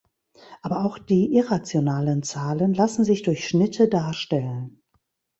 Aber auch die irrationalen Zahlen lassen sich durch Schnitte darstellen.